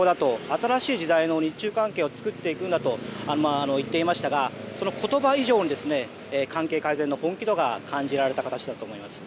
新しい時代の日中関係を作っていくんだと言っていましたがその言葉以上に関係改善の本気度が感じられた形だと思います。